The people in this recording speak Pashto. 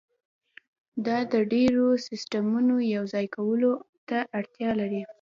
دا د ډیرو سیستمونو یوځای کولو ته اړتیا لري